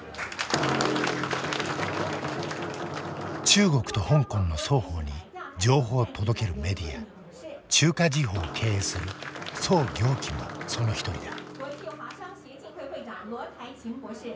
中国と香港の双方に情報を届けるメディア中華時報を経営する曽暁輝もその一人だ。